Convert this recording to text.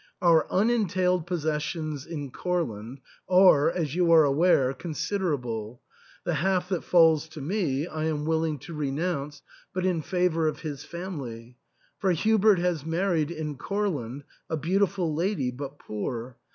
Our unentailed possessions in Courland are, as you are aware, consid erable ; the half that falls to me I am willing to re nounce, but in favour of his family. For Hubert has married, in Courland, a beautiful lady, but poor.